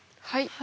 はい。